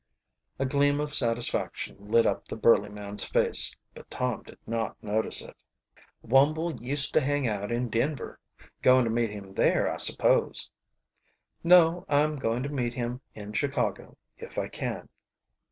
A gleam of satisfaction lit up the burly man's face, but Tom did not notice it. "Wumble used to hang out in Denver. Going to meet him there, I suppose." "No, I'm going to meet him in Chicago, if I can."